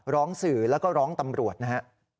ร้องสื่อแล้วก็ร้องตำรวจนะฮะ